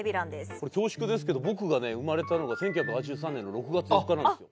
これ恐縮ですけど僕がね生まれたのが１９８３年の６月４日なんですよ。